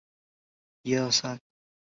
生于土佐国吹井村。